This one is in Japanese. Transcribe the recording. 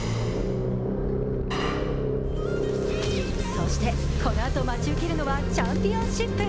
そして、このあと待ち受けるのはチャンピオンシップ。